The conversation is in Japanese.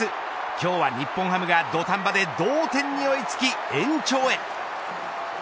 今日は日本ハムが土壇場で同点に追いつき延長へ。